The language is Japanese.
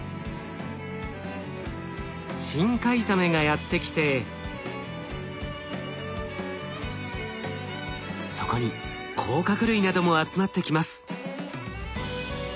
深海ザメがやって来てそこに甲殻類なども集まってきます。